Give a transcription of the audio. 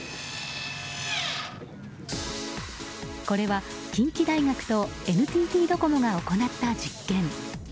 これは近畿大学とＮＴＴドコモが行った実験。